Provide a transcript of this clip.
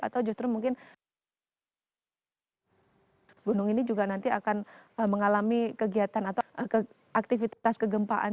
atau justru mungkin gunung ini juga nanti akan mengalami kegiatan atau aktivitas kegempaan